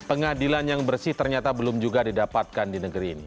pengadilan yang bersih ternyata belum juga didapatkan di negeri ini